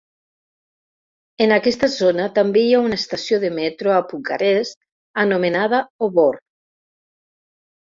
En aquesta zona també hi ha una estació de metro a Bucarest anomenada Obor.